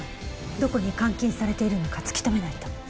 どこに監禁されているのか突き止めないと。